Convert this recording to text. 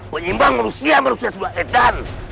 penyeimbang manusia manusia sudah edal